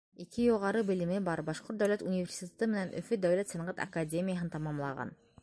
Ике юғары белеме бар — Башҡорт дәүләт университеты менән Өфө дәүләт сәнғәт академияһын тамамлаған.